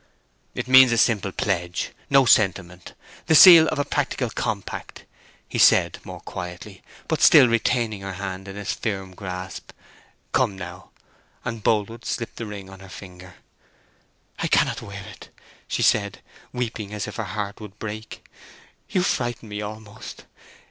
"It means simply a pledge—no sentiment—the seal of a practical compact," he said more quietly, but still retaining her hand in his firm grasp. "Come, now!" And Boldwood slipped the ring on her finger. "I cannot wear it," she said, weeping as if her heart would break. "You frighten me, almost.